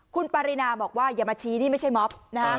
คุณปรินาบอกว่าอย่ามาชี้นี่ไม่ใช่ม็อบนะฮะ